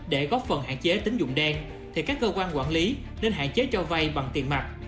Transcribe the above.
để góp phần hạn chế tính dụng đen thì các cơ quan quản lý nên hạn chế cho vay bằng tiền mặt